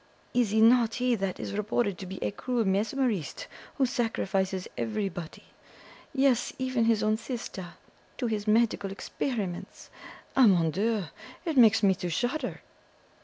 Is it not he that is reported to be a cruel mesmerist who sacrifices everybody yes, even his own sister, to his medical experiments? Ah, mon Dieu! it makes me to shudder!"